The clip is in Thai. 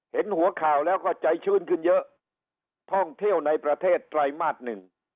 เห็นหัวข่าวแล้วก็ใจชื้นขึ้นเยอะท่องเที่ยวในประเทศไตรมาสหนึ่ง